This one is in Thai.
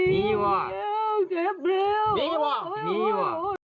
นี่หว่านี่หว่า